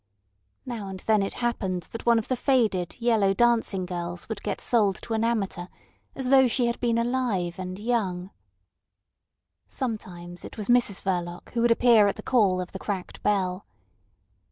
Now and then it happened that one of the faded, yellow dancing girls would get sold to an amateur, as though she had been alive and young. Sometimes it was Mrs Verloc who would appear at the call of the cracked bell.